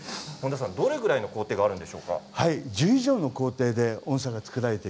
どれぐらいの工程があるのでしょうか。